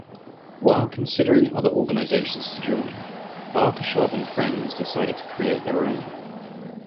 While considering other organizations to join, Barkashov and friends decided to create their own.